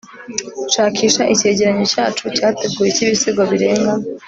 shakisha icyegeranyo cyacu cyateguwe cyibisigo birenga